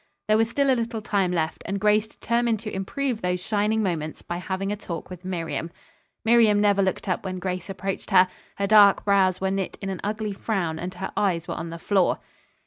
There was still a little time left and Grace determined to improve those shining moments by having a talk with Miriam. Miriam never looked up when Grace approached her. Her dark brows were knit in an ugly frown and her eyes were on the floor.